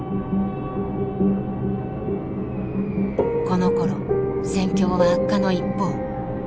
このころ戦況は悪化の一方。